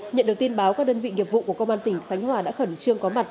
nhận được tin báo các đơn vị nghiệp vụ của công an tỉnh khánh hòa đã khẩn trương có mặt